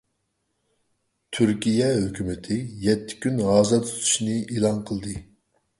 تۈركىيە ھۆكۈمىتى يەتتە كۈن ھازا تۇتۇشنى ئېلان قىلدى.